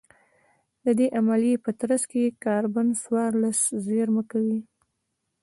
د دې عملیې په ترڅ کې کاربن څوارلس زېرمه کوي